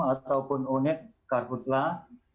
ataupun unit karhutlah